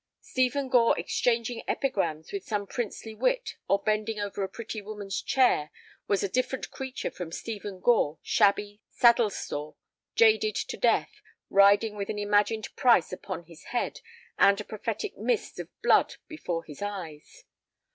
Stephen Gore exchanging epigrams with some princely wit or bending over a pretty woman's chair was a different creature from Stephen Gore shabby, saddle sore, jaded to death, riding with an imagined price upon his head and a prophetic mist of blood before his eyes.